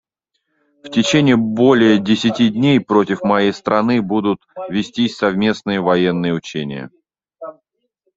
В течение более десяти дней против моей страны будут вестись совместные военные учения.